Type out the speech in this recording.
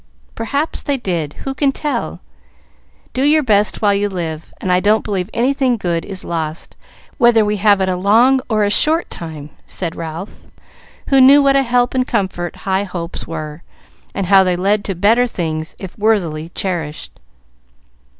"Perhaps they did; who can tell? Do your best while you live, and I don't believe anything good is lost, whether we have it a long or a short time," said Ralph, who knew what a help and comfort high hopes were, and how they led to better things, if worthily cherished.